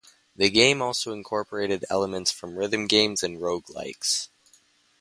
The game also incorporated elements from rhythm games and roguelikes.